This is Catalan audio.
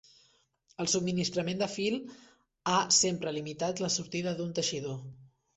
El subministrament de fil ha sempre limitat la sortida d'un teixidor.